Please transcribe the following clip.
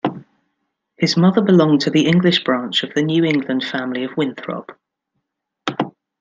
His mother belonged to the English branch of the New England family of Winthrop.